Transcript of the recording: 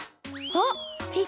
あっ！